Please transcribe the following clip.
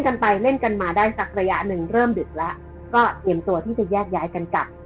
กันไปเล่นกันมาได้สักระยะหนึ่งเริ่มดึกแล้วก็เตรียมตัวที่จะแยกย้ายกันกลับ